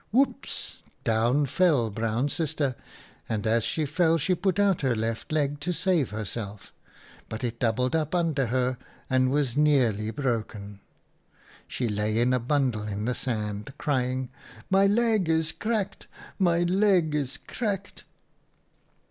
11 Woops ! Down fell Brown Sister, and as she fell she put out her left leg to save herself, but it doubled up under her and was nearly broken. She lay in a bundle in the sand, crying, ' My leg is cracked ! my leg is cracked